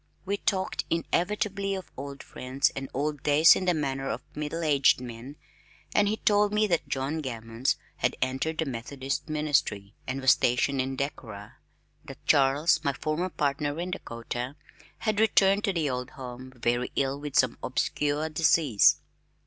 We talked inevitably of old friends and old days in the manner of middle aged men, and he told me that John Gammons had entered the Methodist ministry and was stationed in Decorah, that Charles, my former partner in Dakota, had returned to the old home very ill with some obscure disease.